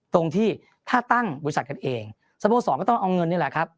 ตรงที่ถ้าตั้งบริษัทกันเองสโมสรก็ต้องเอาเงินนี่แหละครับ